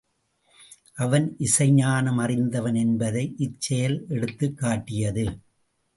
அவன் இசை ஞானம் அறிந்தவன் என்பதை இச் செயல் எடுத்துக் காட்டியது.